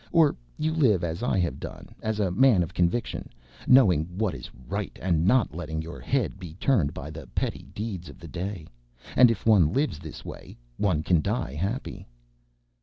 Or you live as I have done, as a man of conviction, knowing what is right and not letting your head be turned by the petty needs of the day. And if one lives this way one can die happy."